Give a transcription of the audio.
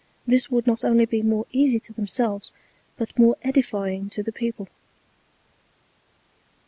This would not only be more easy to themselves, but more edifying to the People.